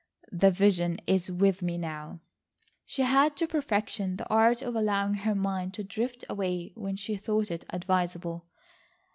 "The vision is with me now." She had to perfection, the art of allowing her mind to drift away when she thought it advisable.